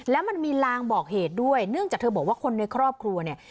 แล้วมันมีลางบอกเหตุด้วยเนื่องจากเธอบอกว่าคนในครอบครัวเนี่ย